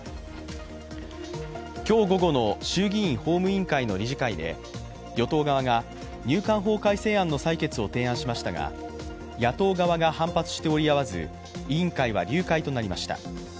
今日午後の衆議院法務委員会の理事会で与党側が入管法改正案の採決を提案しましたが、野党側が反発して折り合わず委員会は流会となりました。